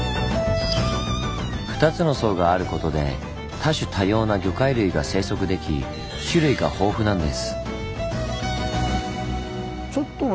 ２つの層があることで多種多様な魚介類が生息でき種類が豊富なんです。